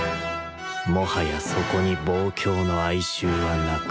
もはやそこに望郷の哀愁はなく。